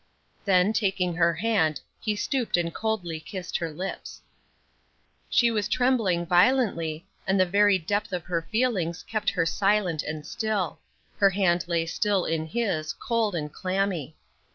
Then, taking her hand, he stooped and coldly kissed her lips. She was trembling violently, and the very depth of her feelings kept her silent and still; her hand lay still in his, cold and clammy.